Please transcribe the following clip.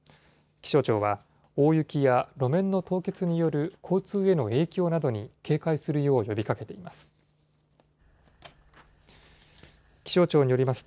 気象庁は、大雪や路面の凍結による交通への影響などに警戒するよう呼びかけています。